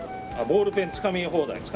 ボールペンつかみ放題。